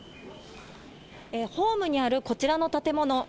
ホームにあるこちらの建物。